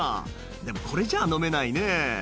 「でもこれじゃ飲めないね」